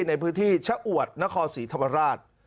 ในพื้นที่ชะอวดนครศรีธรรมราช